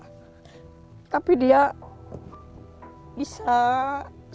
ketua tua mereka berdua